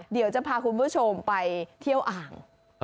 เดี๋ยวจะพาคุณผู้ชมไปเที่ยวอ่าง